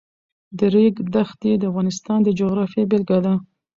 د ریګ دښتې د افغانستان د جغرافیې بېلګه ده.